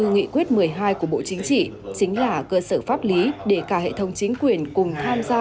nghị quyết một mươi hai của bộ chính trị chính là cơ sở pháp lý để cả hệ thống chính quyền cùng tham gia